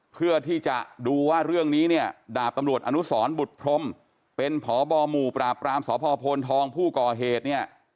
เพื่อที่จะดูว่าเรื่องนี้เนี่ยดาบตำรวจอนุสรบุตรพรมเป็นพบหมู่ปราบรามสพโพนทองผู้ก่อเหตุเนี่ย